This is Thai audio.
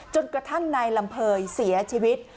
จนกระทั่งนายลำเภยเสียชีวิต